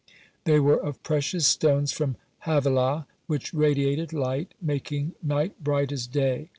(9) They were of precious stones from Havilah, which radiated light, making night bright as day.